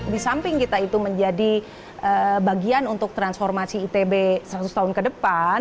di samping kita itu menjadi bagian untuk transformasi itb seratus tahun ke depan